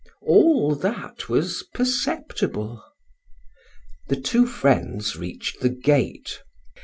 All that was perceptible. The two friends reached the gate.